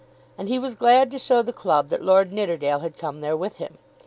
And he was glad to show the club that Lord Nidderdale had come there with him.